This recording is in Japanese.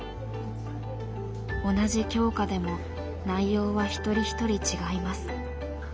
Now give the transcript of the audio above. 同じ教科でも内容は一人一人違います。